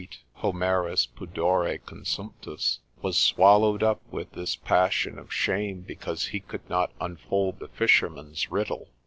Homerus pudore consumptus, was swallowed up with this passion of shame because he could not unfold the fisherman's riddle.